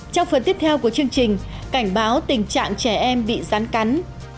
trong phần tiếp theo của chương trình cảnh báo tình trạng trẻ em bị rắn cắn